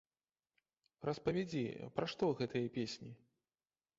Распавядзі, пра што гэтыя песні.